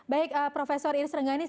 baik profesor irs rengganis